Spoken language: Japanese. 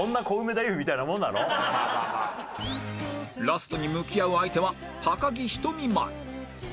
ラストに向き合う相手は高木ひとみ○